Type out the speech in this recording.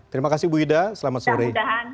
terima kasih bu ida selamat sore